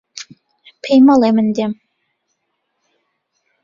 پێی مەڵێ من دێم.